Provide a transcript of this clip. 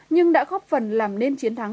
nhưng đã góp phần làm nên chiến thắng